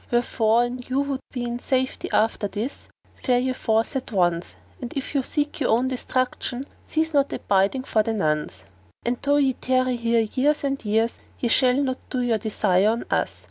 Wherefore, an you would be in safety after this, fare ye forth at once; and if you seek your own destruction cease not abiding for the nonce; and though ye tarry here years and years, ye shall not do your desire on us.